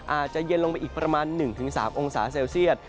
อาจจะเย็นลงไปอีกประมาณ๑๓องศาเซลเซียต